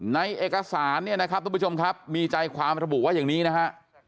ในเอกสารเนี่ยนะครับทุกผู้ชมครับมีใจความระบุว่าอย่างนี้นะฮะ